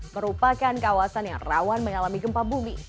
merupakan kawasan yang rawan mengalami gempa bumi